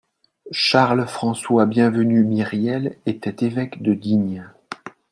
Charles-François-Bienvenu Myriel était évêque de Digne